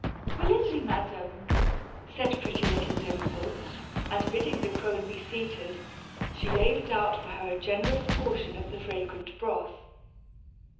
"Willingly, dame," said pretty little Dimple; and bidding the crone be seated, she ladled out for her a generous portion of the fragrant broth.